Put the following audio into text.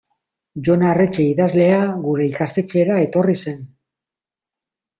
Jon Arretxe idazlea gure ikastetxera etorri zen.